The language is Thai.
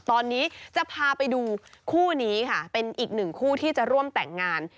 ตอนนี้จะพาไปดูคู่นี้ค่ะเป็นอีกหนึ่งคู่ที่จะร่วมแต่งงาน